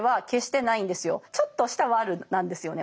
ちょっとしたワルなんですよね